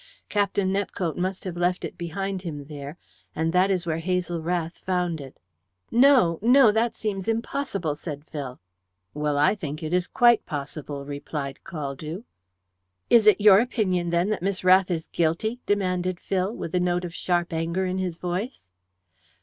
"Captain Nepcote must have left it behind him there, and that is where Hazel Rath found it." "No, no! That seems impossible," said Phil. "Well, I think it is quite possible," replied Caldew. "Is it your opinion, then, that Miss Rath is guilty?" demanded Phil, with a note of sharp anger in his voice.